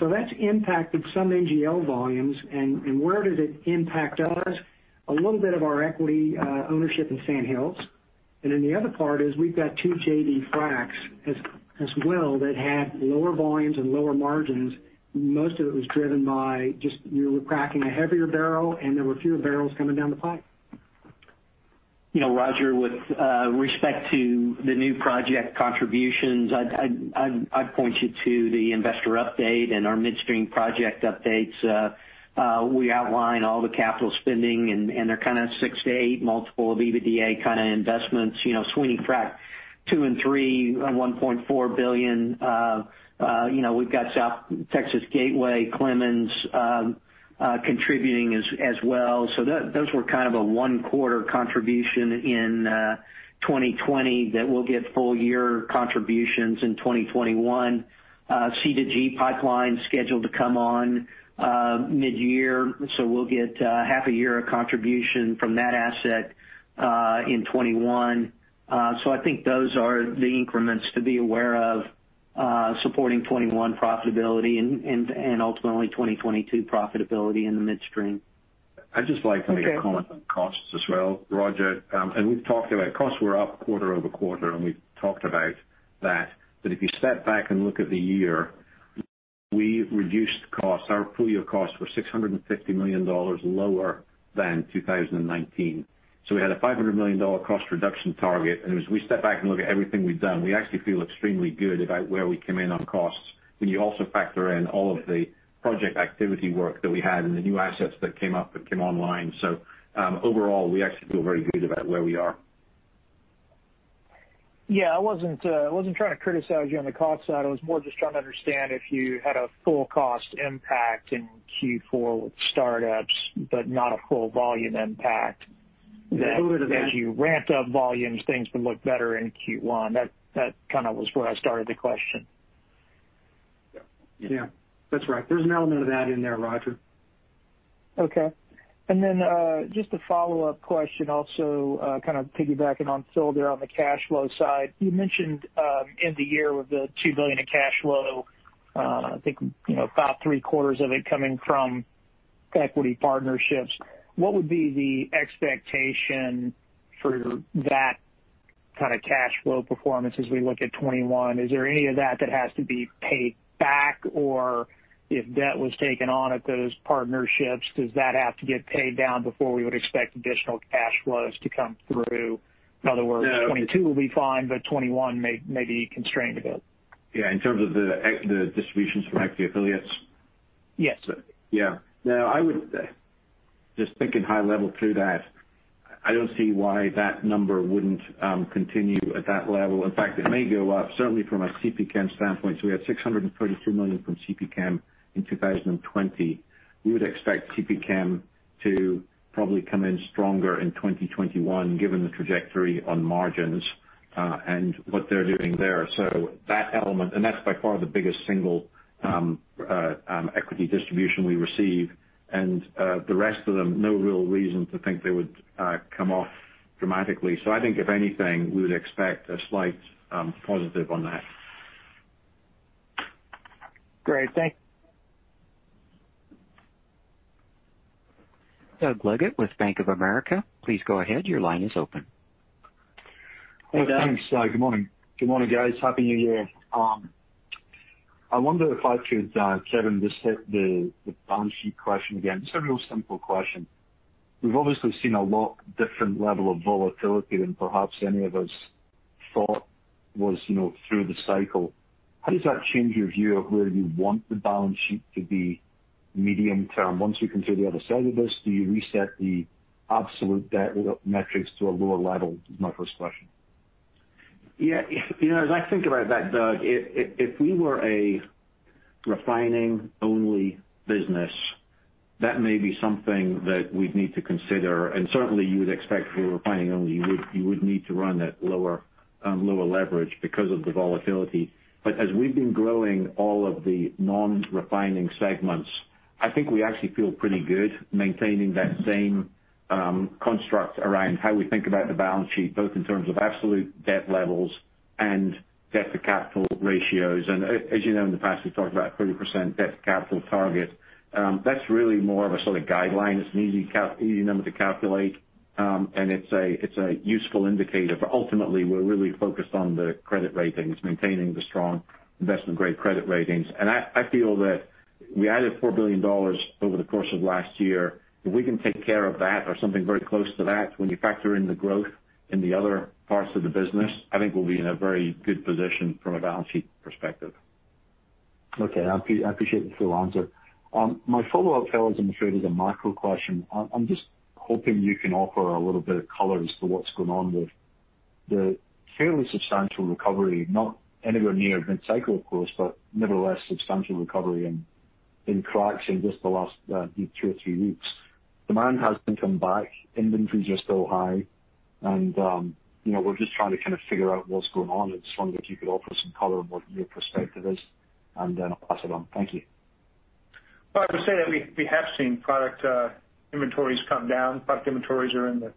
That's impacted some NGL volumes. Where did it impact us? A little bit of our equity ownership in Sand Hills. Then the other part is we've got two JV fracs as well that had lower volumes and lower margins. Most of it was driven by just, we were cracking a heavier barrel, and there were fewer barrels coming down the pipe. Roger, with respect to the new project contributions, I'd point you to the investor update and our midstream project updates. We outline all the capital spending, they're kind of six to eight multiple of EBITDA kind of investments. Sweeny Frac II and III, $1.4 billion. We've got South Texas Gateway, Clemens contributing as well. Those were kind of a one-quarter contribution in 2020 that will give full-year contributions in 2021. C2G Pipeline is scheduled to come on mid-year, so we'll get half a year of contribution from that asset in 2021. I think those are the increments to be aware of supporting 2021 profitability and ultimately 2022 profitability in the midstream. I'd just like to make a comment on costs as well, Roger. We've talked about costs were up quarter-over-quarter, and we've talked about that. If you step back and look at the year, we reduced costs. Our full-year costs were $650 million lower than 2019. We had a $500 million cost reduction target, and as we step back and look at everything we've done, we actually feel extremely good about where we came in on costs when you also factor in all of the project activity work that we had and the new assets that came up and came online. Overall, we actually feel very good about where we are. Yeah, I wasn't trying to criticize you on the cost side. I was more just trying to understand if you had a full cost impact in Q4 with startups, but not a full volume impact. A little bit of that. You ramp up volumes, things would look better in Q1. That kind of was where I started the question. Yeah. That's right. There's an element of that in there, Roger. Okay. Just a follow-up question, also kind of piggybacking on Phil there on the cash flow side. You mentioned in the year with the $2 billion of cash flow, I think about three-quarters of it coming from equity partnerships. What would be the expectation for that kind of cash flow performance as we look at 2021? Is there any of that that has to be paid back? If debt was taken on at those partnerships, does that have to get paid down before we would expect additional cash flows to come through? No. 2022 will be fine, but 2021 may be constrained a bit. Yeah. In terms of the distributions from equity affiliates? Yes. Yeah. No, just thinking high level through that, I don't see why that number wouldn't continue at that level. In fact, it may go up, certainly from a CPChem standpoint. We had $632 million from CPChem in 2020. We would expect CPChem to probably come in stronger in 2021, given the trajectory on margins and what they're doing there. That element, and that's by far the biggest single equity distribution we receive, and the rest of them, no real reason to think they would come off dramatically. I think if anything, we would expect a slight positive on that. Great. Thank you. Doug Leggate with Bank of America. Please go ahead. Your line is open. Hey, Doug. Thanks. Good morning. Good morning, guys. Happy New Year. I wonder if I could, Kevin, just hit the balance sheet question again. It's a real simple question. We've obviously seen a lot different level of volatility than perhaps any of us thought was through the cycle. How does that change your view of where you want the balance sheet to be medium-term? Once we can see the other side of this, do you reset the absolute debt metrics to a lower level? Is my first question. Yeah. As I think about that, Doug, if we were a refining-only business, that may be something that we'd need to consider. Certainly, you would expect if we were refining only, you would need to run at lower leverage because of the volatility. As we've been growing all of the non-refining segments, I think we actually feel pretty good maintaining that same construct around how we think about the balance sheet, both in terms of absolute debt levels and debt-to-capital ratios. As you know, in the past, we've talked about 30% debt-to-capital target. That's really more of a sort of guideline. It's an easy number to calculate, and it's a useful indicator. Ultimately, we're really focused on the credit ratings, maintaining the strong investment-grade credit ratings. I feel that we added $4 billion over the course of last year. If we can take care of that or something very close to that when you factor in the growth in the other parts of the business, I think we'll be in a very good position from a balance sheet perspective. Okay. I appreciate the full answer. My follow-up, fellas, I'm afraid is a micro question. I'm just hoping you can offer a little bit of color as to what's going on with the fairly substantial recovery, not anywhere near mid-cycle, of course, but nevertheless, substantial recovery in cracks in just the last two or three weeks. Demand hasn't come back. Inventories are still high. We're just trying to kind of figure out what's going on. I was just wondering if you could offer some color on what your perspective is, and then I'll pass it on. Thank you. Well, I would say that we have seen product inventories come down. Product inventories are in the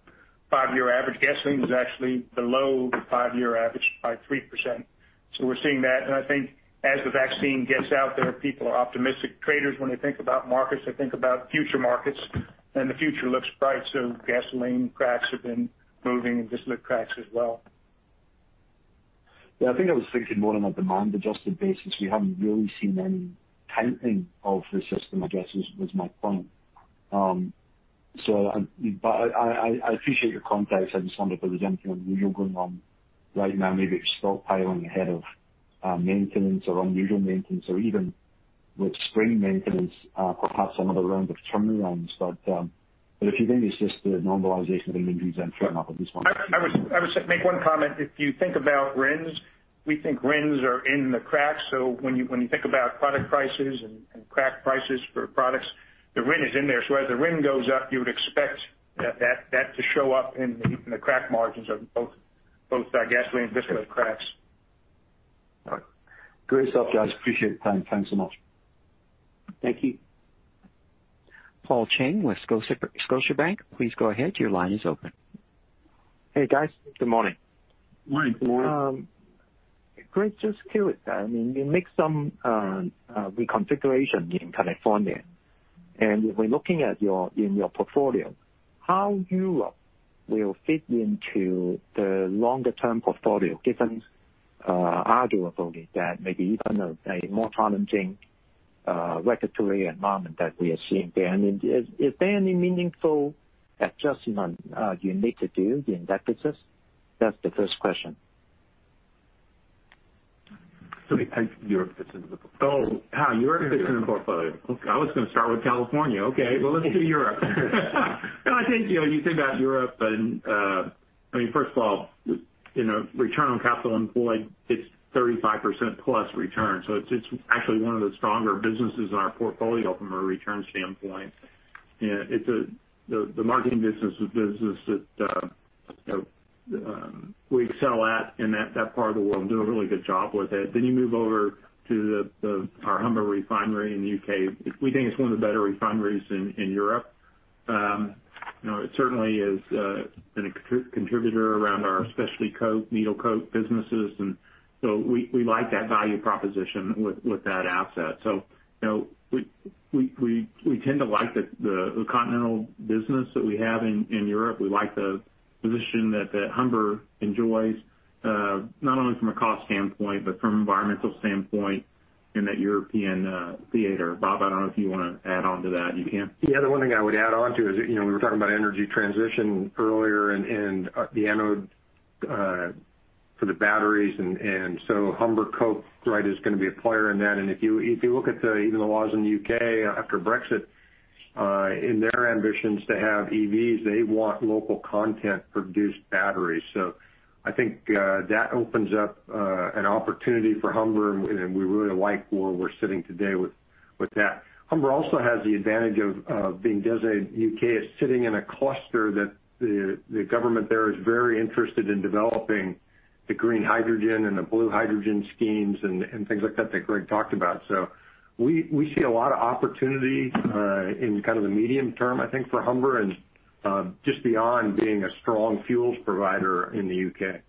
five-year average. Gasoline is actually below the five-year average by 3%. We're seeing that, and I think as the vaccine gets out there, people are optimistic. Traders, when they think about markets, they think about future markets, and the future looks bright. Gasoline cracks have been moving, and distillate cracks as well. Yeah, I think I was thinking more on a demand-adjusted basis. We haven't really seen any tightening of the system, I guess, was my point. I appreciate your context. I just wondered if there was anything unusual going on right now, maybe stockpiling ahead of maintenance or unusual maintenance or even with spring maintenance, perhaps another round of turnaround. If you think it's just the normalization of inventories, fair enough at this point. I would make one comment. If you think about RINs, we think RINs are in the crack. When you think about product prices and crack prices for products, the RIN is in there. As the RIN goes up, you would expect that to show up in the crack margins of both our gasoline and distillate cracks. All right. Great stuff, guys. Appreciate the time. Thanks so much. Thank you. Paul Cheng with Scotiabank, please go ahead. Your line is open. Hey, guys. Good morning. Morning. Good morning. Greg, just curious. You make some reconfiguration in California. If we're looking in your portfolio, how Europe will fit into the longer-term portfolio, given arguably that maybe even a more challenging regulatory environment that we are seeing there? Is there any meaningful adjustment you need to do in that business? That's the first question. Sorry, how Europe fits into the portfolio? Oh, how Europe fits in the portfolio. Okay. I was going to start with California. Well, let's do Europe. I think, you think about Europe, first of all, return on capital employed, it's 35%-plus return. It's actually one of the stronger businesses in our portfolio from a return standpoint. The marketing business is a business that we excel at in that part of the world and do a really good job with it. You move over to our Humber Refinery in the U.K. We think it's one of the better refineries in Europe. It certainly has been a contributor around our specialty coke, needle coke businesses, we like that value proposition with that asset. We tend to like the continental business that we have in Europe. We like the position that Humber enjoys, not only from a cost standpoint, but from an environmental standpoint in that European theater. Bob, I don't know if you want to add on to that. You can. The other one thing I would add on to is we were talking about energy transition earlier and the anode for the batteries, and Humber Coke is going to be a player in that. If you look at even the laws in the U.K. after Brexit, in their ambitions to have EVs, they want local content-produced batteries. I think that opens up an opportunity for Humber, and we really like where we're sitting today with that. Humber also has the advantage of being designated U.K. It's sitting in a cluster that the government there is very interested in developing the green hydrogen and the blue hydrogen schemes and things like that that Greg talked about. We see a lot of opportunity in kind of the medium term, I think, for Humber and just beyond being a strong fuels provider in the U.K.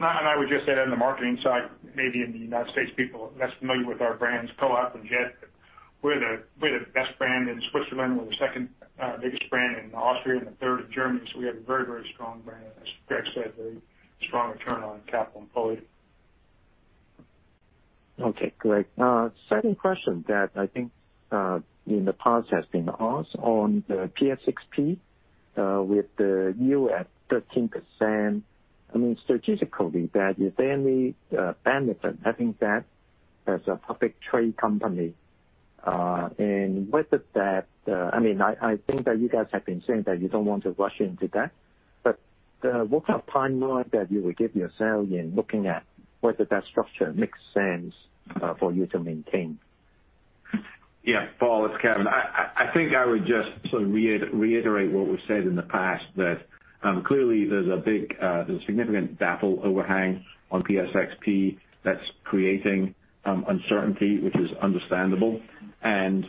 I would just add on the marketing side, maybe in the U.S., people are less familiar with our brands, Coop and JET, but we're the best brand in Switzerland. We're the second biggest brand in Austria and the third in Germany. We have a very strong brand, and as Greg said, very strong return on capital employed. Okay, great. Second question that I think in the past has been asked on the PSXP with the yield at 13%. Strategically, is there any benefit having that as a publicly traded company? I think that you guys have been saying that you don't want to rush into that. What kind of timeline that you would give yourself in looking at whether that structure makes sense for you to maintain? Paul, it's Kevin. I think I would just sort of reiterate what we've said in the past, that clearly there's a significant DAPL overhang on PSXP that's creating uncertainty, which is understandable. The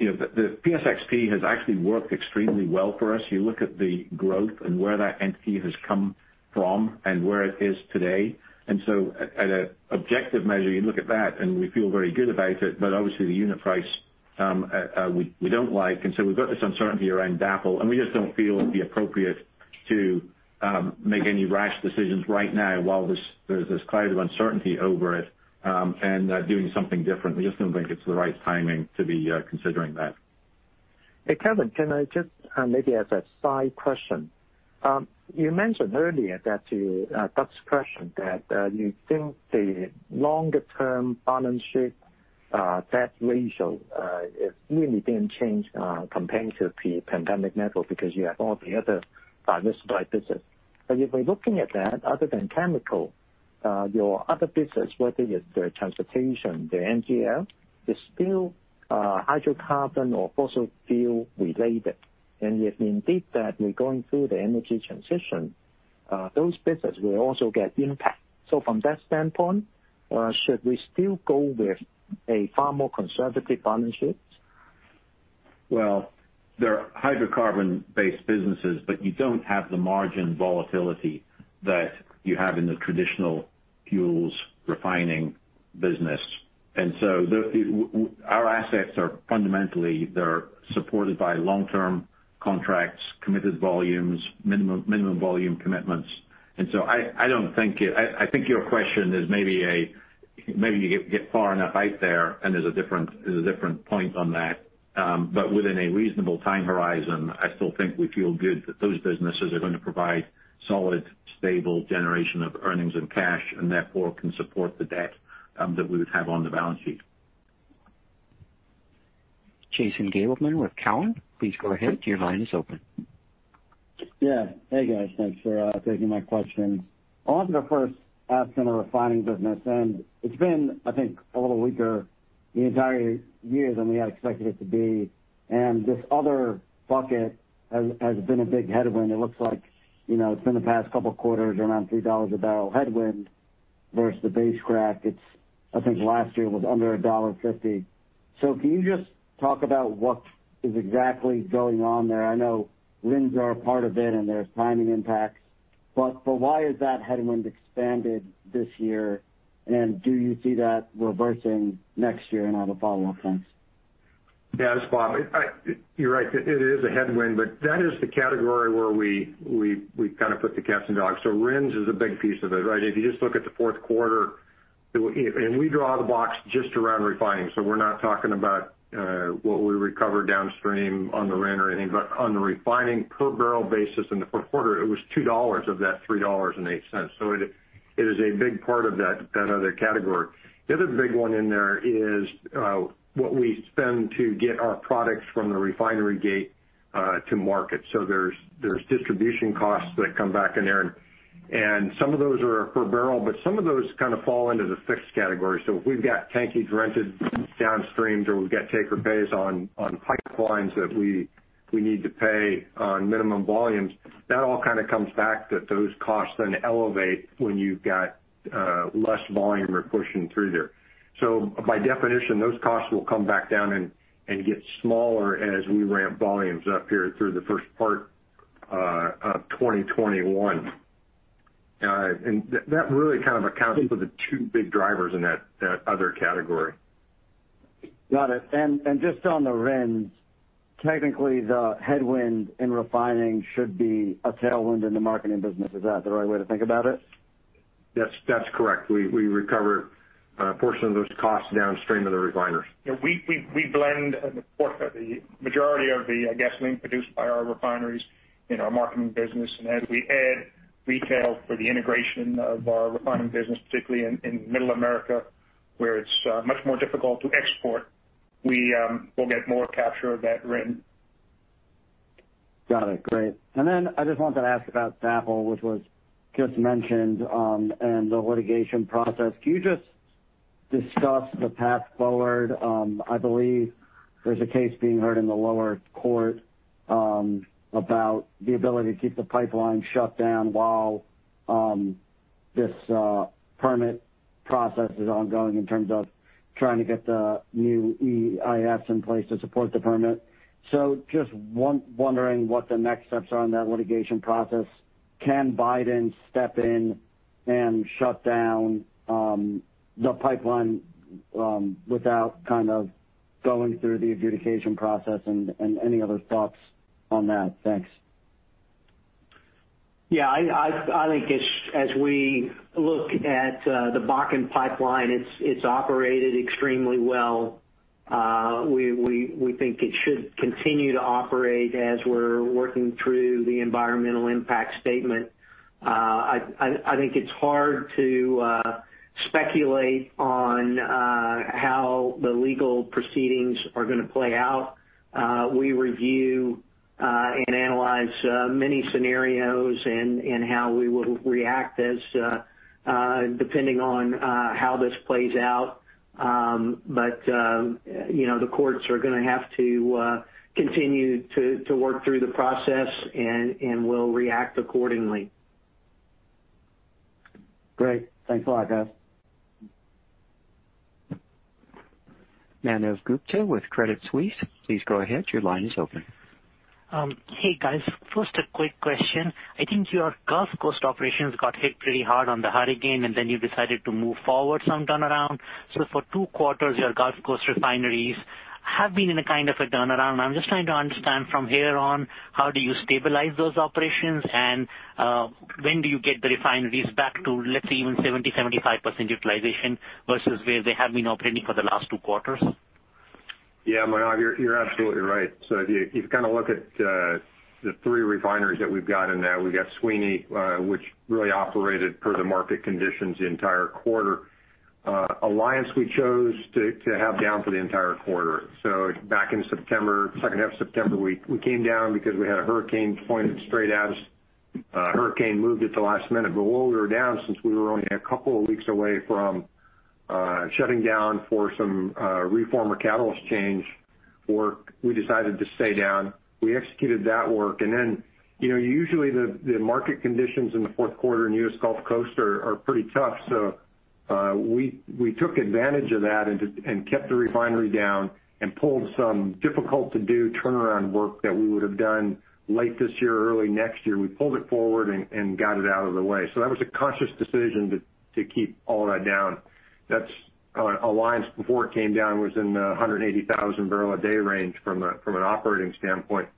PSXP has actually worked extremely well for us. You look at the growth and where that entity has come from and where it is today. At an objective measure, you look at that, and we feel very good about it. Obviously the unit price, we don't like. We've got this uncertainty around DAPL, and we just don't feel it would be appropriate to make any rash decisions right now while there's this cloud of uncertainty over it, and doing something different. We just don't think it's the right timing to be considering that. Hey, Kevin, can I just maybe as a side question. You mentioned earlier to Doug's question that you think the longer-term balance sheet debt ratio is really being changed compared to the pandemic level because you have all the other diversified business. If we're looking at that, other than chemical, your other business, whether it's the transportation, the NGL, is still hydrocarbon or fossil fuel-related. If indeed that we're going through the energy transition, those business will also get impact. From that standpoint, should we still go with a far more conservative balance sheet? Well, they're hydrocarbon-based businesses, but you don't have the margin volatility that you have in the traditional fuels refining. Business. Our assets are fundamentally supported by long-term contracts, committed volumes, minimum volume commitments. I think your question is maybe you get far enough out there, and there's a different point on that. Within a reasonable time horizon, I still think we feel good that those businesses are going to provide solid, stable generation of earnings and cash, and therefore, can support the debt that we would have on the balance sheet. Jason Gabelman with Cowen, please go ahead. Your line is open. Yeah. Hey, guys. Thanks for taking my questions. I wanted to first ask on the refining business, and it's been, I think, a little weaker the entire year than we had expected it to be. This other bucket has been a big headwind. It looks like it's been the past couple of quarters, around $3 a bbl headwind versus the base crack. It's I think last year was under $1.50. Can you just talk about what is exactly going on there? I know RINs are a part of it and there's timing impacts, but why has that headwind expanded this year, and do you see that reversing next year? I'll have a follow-up, thanks. Yeah, you're right. It is a headwind, but that is the category where we kind of put the cats and dogs. RINs is a big piece of it, right? If you just look at the fourth quarter, and we draw the box just around refining. We're not talking about what we recover downstream on the RIN or anything, but on the refining per barrel basis in the fourth quarter, it was $2 of that $3.08. It is a big part of that other category. The other big one in there is what we spend to get our products from the refinery gate to market. There's distribution costs that come back in there, and some of those are per barrel, but some of those kind of fall into the fixed category. If we've got tankages rented downstream or we've got take-or-pays on pipelines that we need to pay on minimum volumes, that all kind of comes back that those costs then elevate when you've got less volume you're pushing through there. By definition, those costs will come back down and get smaller as we ramp volumes up here through the first part of 2021. That really kind of accounts for the two big drivers in that other category. Got it. Just on the RINs, technically the headwind in refining should be a tailwind in the marketing business. Is that the right way to think about it? That's correct. We recover a portion of those costs downstream to the refiners. We blend the majority of the gasoline produced by our refineries in our marketing business. As we add retail for the integration of our refining business, particularly in Middle America, where it's much more difficult to export, we will get more capture of that RIN. Got it. Great. Then I just wanted to ask about DAPL, which was just mentioned, and the litigation process. Can you just discuss the path forward? I believe there's a case being heard in the lower court about the ability to keep the pipeline shut down while this permit process is ongoing in terms of trying to get the new EIS in place to support the permit. Just wondering what the next steps are on that litigation process. Can Biden step in and shut down the pipeline without kind of going through the adjudication process and any other thoughts on that? Thanks. Yeah, I think as we look at the Bakken pipeline, it's operated extremely well. We think it should continue to operate as we're working through the environmental impact statement. I think it's hard to speculate on how the legal proceedings are going to play out. We review and analyze many scenarios and how we will react depending on how this plays out. The courts are going to have to continue to work through the process, and we'll react accordingly. Great. Thanks a lot, guys. Manav Gupta with Credit Suisse. Please go ahead. Your line is open. Hey, guys. First, a quick question. I think your Gulf Coast operations got hit pretty hard on the hurricane, and then you decided to move forward some turnaround. For two quarters, your Gulf Coast refineries have been in a kind of a turnaround. I'm just trying to understand from here on, how do you stabilize those operations and when do you get the refineries back to, let's say, even 70%-75% utilization versus where they have been operating for the last two quarters? Yeah, Manav, you're absolutely right. If you kind of look at the three refineries that we've got in there, we've got Sweeny, which really operated per the market conditions the entire quarter. Alliance, we chose to have down for the entire quarter. Back in September, second half of September, we came down because we had a hurricane pointed straight at us. Hurricane moved at the last minute, while we were down, since we were only a couple of weeks away from shutting down for some reformer catalyst change work, we decided to stay down. We executed that work, usually the market conditions in the fourth quarter in the U.S. Gulf Coast are pretty tough. We took advantage of that and kept the refinery down and pulled some difficult-to-do turnaround work that we would have done late this year or early next year. We pulled it forward and got it out of the way. That was a conscious decision to keep all that down. That's Alliance before it came down was in the 180,000 bbl a day range from an operating standpoint.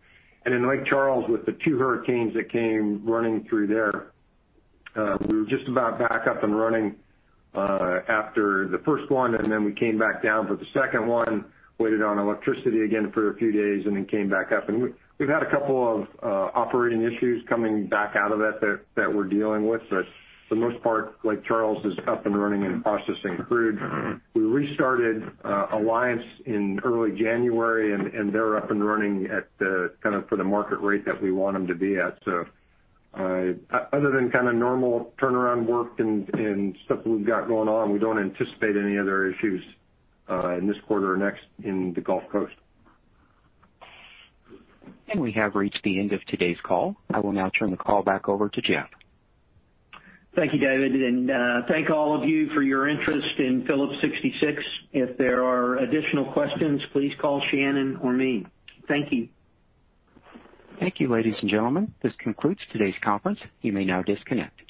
In Lake Charles, with the two hurricanes that came running through there, we were just about back up and running after the first one, then we came back down for the second one, waited on electricity again for a few days, then came back up. We've had a couple of operating issues coming back out of that that we're dealing with. For the most part, Lake Charles is up and running and processing crude. We restarted Alliance in early January, and they're up and running at the kind of for the market rate that we want them to be at. Other than kind of normal turnaround work and stuff that we've got going on, we don't anticipate any other issues in this quarter or next in the Gulf Coast. We have reached the end of today's call. I will now turn the call back over to Jeff. Thank you, David, and thank all of you for your interest in Phillips 66. If there are additional questions, please call Shannon or me. Thank you. Thank you, ladies and gentlemen. This concludes today's conference. You may now disconnect.